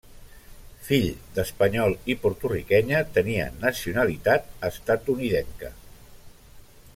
Fill d'espanyol i porto-riquenya, tenia nacionalitat estatunidenca.